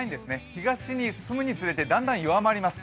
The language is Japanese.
東に進むにつれてだんだん弱まります。